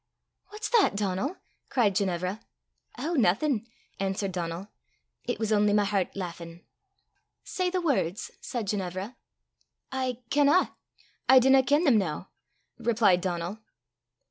"What's that, Donal?" cried Ginevra. "Ow, naething," answered Donal. "It was only my hert lauchin'." "Say the words," said Ginevra. "I canna I dinna ken them noo," replied Donal.